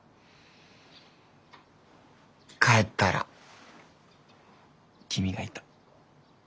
帰ったら君がいた。